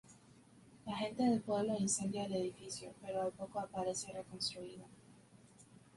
La gente del pueblo incendia el edificio, pero al poco aparece reconstruido.